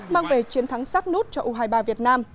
mang về chiến thắng sát nút cho u hai mươi ba việt nam